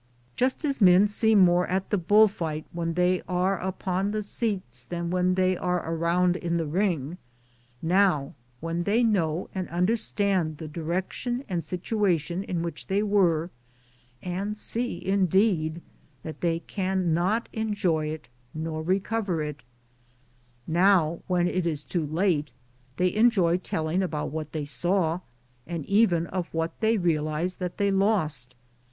Just as men see more at the bull fight when they are upon the seats than when they are around in the ring, now when they know and understand the direction and situation in which they were, and see, indeed, that they can not en joy it nor recover it, now when it is too late they enjoy telling about what they saw, and even of what they realize that they lost, xxxiil ]